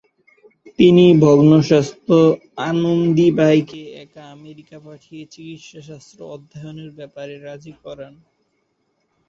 তিনি ভগ্নস্বাস্থ্য আনন্দীবাঈকে একা আমেরিকা পাঠিয়ে চিকিৎসাশাস্ত্র অধ্যয়নের ব্যাপারে রাজি করান।